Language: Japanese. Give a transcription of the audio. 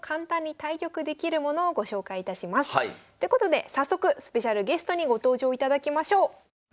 ということで早速スペシャルゲストにご登場いただきましょう。